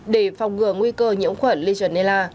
để phòng ngừa nguy cơ nhiễm khuẩn legionella